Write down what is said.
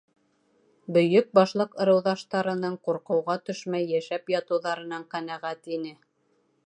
Бөйөк Башлыҡ ырыуҙаштарының ҡурҡыуға төшмәй йәшәп ятыуҙарынан ҡәнәғәт ине.